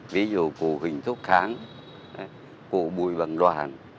ví dụ cụ huỳnh thúc kháng cụ bùi bằng đoàn